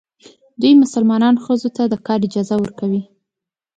دوی مسلمانان ښځو ته د کار اجازه ورکوي.